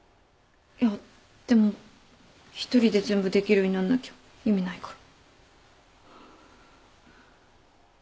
いやでも１人で全部できるようになんなきゃ意味ないから。